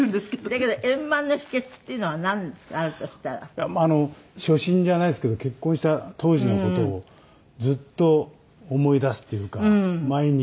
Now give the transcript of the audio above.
だけど円満の秘訣っていうのはあるとしたら。初心じゃないですけど結婚した当時の事をずっと思い出すっていうか毎日。